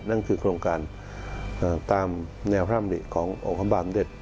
นั่นคือโครงการตามแนวร่ามหลีขององค์ภาพบาลมันเด็ด